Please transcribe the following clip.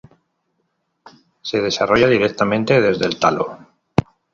Se desarrolla directamente desde el talo.